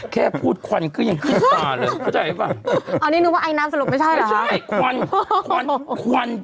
แค่พูดควันก็ยังซีะเลย